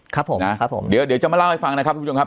ครับผมนะครับผมเดี๋ยวจะมาเล่าให้ฟังนะครับทุกผู้ชมครับ